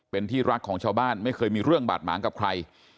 เป็นที่รักของชาวบ้านไม่เคยมีเรื่องบาดหมางกับใคร